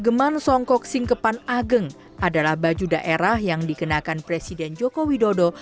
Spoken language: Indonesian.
geman songkok singkepan ageng adalah baju daerah yang dikenakan presiden joko widodo